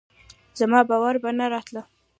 زما باور به نه راته